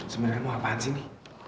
sebenernya mau apaan sih nih